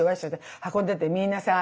運んでてみんなさ